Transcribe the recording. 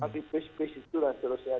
tapi terus terus itu lah